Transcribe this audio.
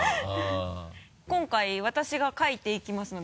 今回私が書いていきますので。